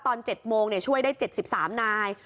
ตอน๗โมงช่วยได้๗๓นาย